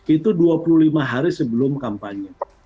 itu dua puluh lima hari sebelum kampanye